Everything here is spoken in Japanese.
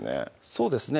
そうですね